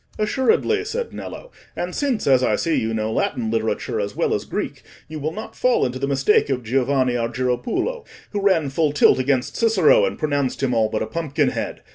"Assuredly," said Nello. "And since, as I see, you know Latin literature as well as Greek, you will not fall into the mistake of Giovanni Argiropulo, who ran full tilt against Cicero, and pronounced him all but a pumpkin head.